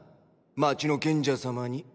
街の賢者様に。